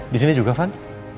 di sini juga van